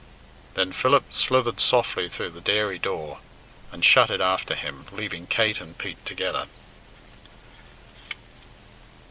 Then Philip slithered softly through the dairy door, and shut it after him, leaving Kate and Pete together.